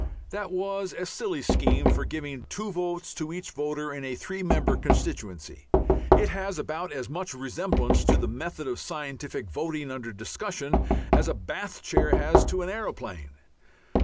That was a silly scheme for giving two votes to each voter in a three member constituency. It has about as much resemblance to the method of scientific voting under discussion as a bath chair has to an aeroplane.